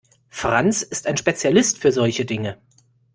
Franz ist ein Spezialist für solche Dinge.